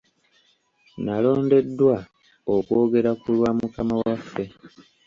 Nalondeddwa okwogera ku lwa mukama waffe .